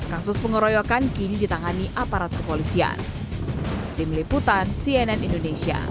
kasus pengeroyokan kini ditangani aparat kepolisian